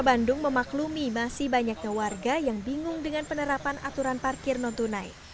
bandung memaklumi masih banyaknya warga yang bingung dengan penerapan aturan parkir non tunai